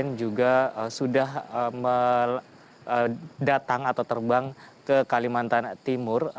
yang juga sudah datang atau terbang ke kalimantan timur